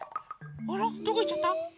あらどこいっちゃった？え？